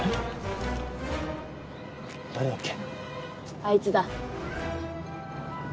あいつだ。何？